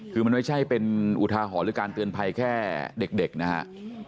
คือมันไม่ใช่เป็นอุทาหรณ์หรือการเตือนภัยแค่เด็กนะครับ